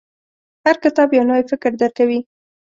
• هر کتاب، یو نوی فکر درکوي.